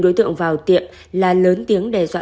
đối tượng vào tiệm là lớn tiếng đe dọa